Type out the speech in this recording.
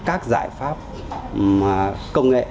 các giải pháp công nghệ